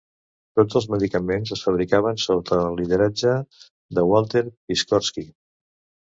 Tots els medicaments es fabricaven sota el lideratge de Walter Piskorski.